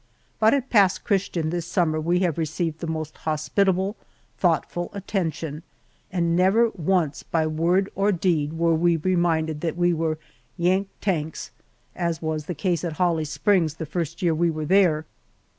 But at Pass Christian this summer we have received the most hospitable, thoughtful attention, and never once by word or deed were we reminded that we were "Yank Tanks," as was the case at Holly Springs the first year we were there.